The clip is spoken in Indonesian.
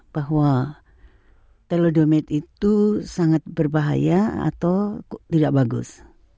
bahwa telodomit itu sangat berbahaya atau tidak bagus